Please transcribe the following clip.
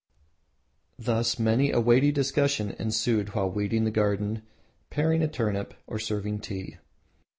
Thus many a weighty discussion ensued while weeding the garden, paring a turnip, or serving tea.